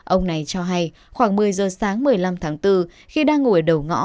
ông này cho hay khoảng một mươi giờ sáng một mươi năm tháng bốn khi đang ngồi đầu ngõ